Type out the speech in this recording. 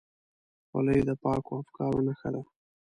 خولۍ د پاکو افکارو نښه ده.